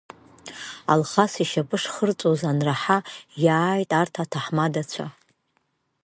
Алхас ишьапы шхырҵәоз анраҳа, иааит арҭ аҭаҳмадацәа.